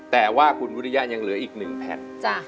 แต่ว่าคุณวุฒิยายังเหลืออีกหนึ่งแผ่น